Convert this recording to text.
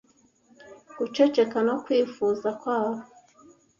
guceceka no kwifuza kwabo